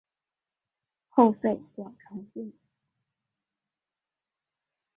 后废广长郡。